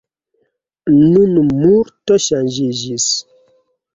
Nun multo ŝanĝiĝis.